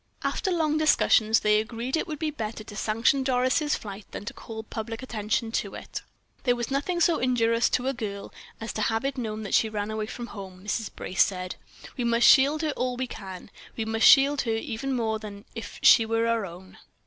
After long discussions, they agreed it would be better to sanction Doris' flight than to call public attention to it. "There was nothing so injurious to a girl as to have it known that she ran away from home," Mrs. Brace said. "We must shield her all we can. We must shield her even more than if she were our own."